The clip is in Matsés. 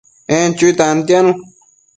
En chui tantianu